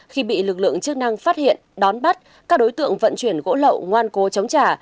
khi bị lực lượng chức năng phát hiện đón bắt các đối tượng vận chuyển gỗ lậu ngoan cố chống trả